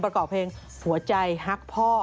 ประกอบเพลงหักพ่อ